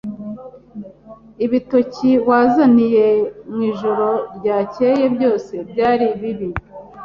Ibitoki wanzaniye mwijoro ryakeye byose byari bibi.